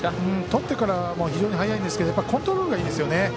とってからも非常に早いんですけどコントロールがいいですよね。